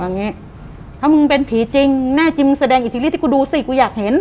อังนี้ถ้ามึงเป็นผีจริงแน่จริงมึงแสดงอีกซีรีส์ที่กูดูซิกูอยากเห็น